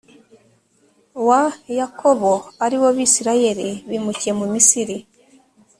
wa yakobo ari bo bisirayeli wimukiye mu misiri